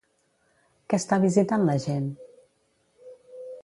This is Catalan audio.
Què està visitant la gent?